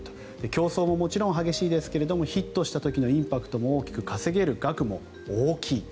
競争ももちろん激しいですがヒットした時のインパクトも大きく稼げる額も大きい。